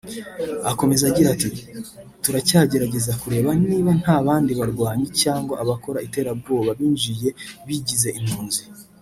Akomeza agira ati” Turacyagerageza kureba niba nta bandi barwanyi cyangwa abakora iterabwoba binjiye bigize impunzi